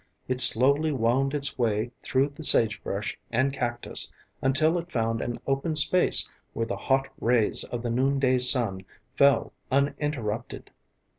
It slowly wound its way through sagebrush and cactus until it found an open space where the hot rays of the noonday sun fell uninterrupted.